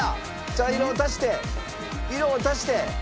茶色を足して色を足して。